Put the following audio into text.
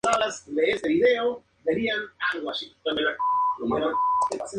El Centro de Documentación es en Ankara.